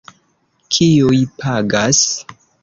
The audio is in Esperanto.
Kiuj pagas?